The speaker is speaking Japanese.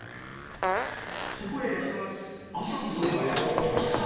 そこへ麻子さんがやって来ました